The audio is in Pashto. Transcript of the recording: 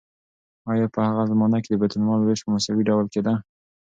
آیا په هغه زمانه کې د بیت المال ویش په مساوي ډول کیده؟